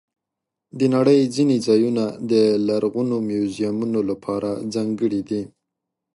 د نړۍ ځینې ځایونه د لرغوني میوزیمونو لپاره ځانګړي دي.